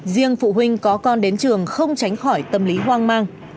riêng phụ huynh có con đến trường không tránh khỏi tâm lý hoang mang